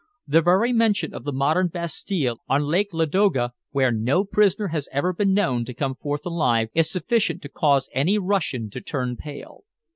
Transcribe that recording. The very mention of the modern Bastille on Lake Ladoga, where no prisoner has ever been known to come forth alive, is sufficient to cause any Russian to turn pale.